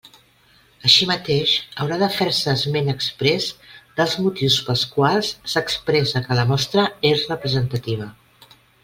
Així mateix, haurà de fer-se esment exprés dels motius pels quals s'expressa que la mostra és representativa.